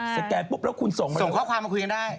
แกนปุ๊บแล้วคุณส่งมาส่งข้อความมาคุยกันได้